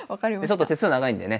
ちょっと手数長いんでね